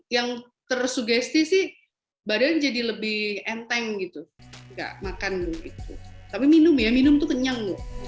yang tersugesti sih badan jadi lebih enteng gitu nggak makan itu tapi minum ya minum tuh kenyang